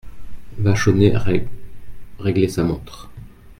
Vachonnet Rég … réglait sa montre !